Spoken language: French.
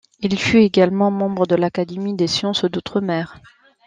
Il fut également membre de l'Académie des sciences d'outre-mer.